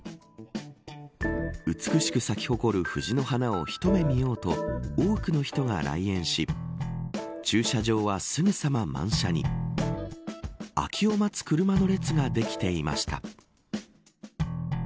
美しく咲き誇る藤の花を一目見ようと多くの人が来園し駐車場は、すぐさま満車に。空きを待つ車の列ができていました。